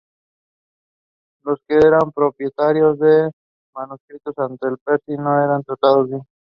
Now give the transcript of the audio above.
Los que eran propietarios del manuscrito antes de Percy no lo trataron bien.